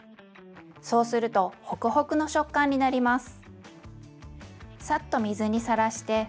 そうするとホクホクの食感になります。